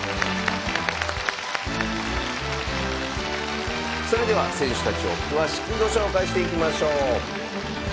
それでは選手たちを詳しくご紹介していきましょう。